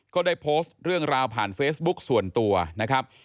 ก็ได้โพสต์เรื่องราวผ่านเฟซบุ๊กส่วนตัวนะครับ